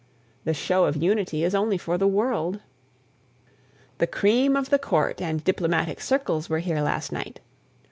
The show of unity is only for the world. The cream of the Court and diplomatic circles were here last night.